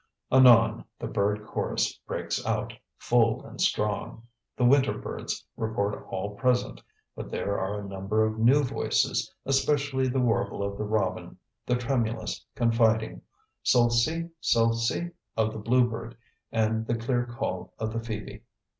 Anon the bird chorus breaks out, full and strong. The winter birds report all present but there are a number of new voices, especially the warble of the robin, the tremulous, confiding "sol si, sol si" of the bluebird and the clear call of the phoebe.